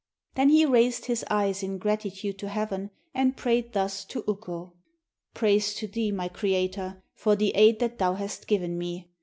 Then he raised his eyes in gratitude to heaven and prayed thus to Ukko: 'Praise to thee, my Creator, for the aid that thou hast given me.